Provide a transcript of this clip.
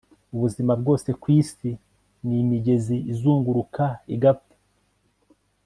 Ubuzima bwose kwisi ni imigezi izunguruka igapfa